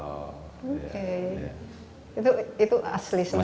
oke itu asli semua